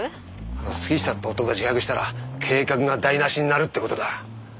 あの杉下って男が自白したら計画が台無しになるって事だ。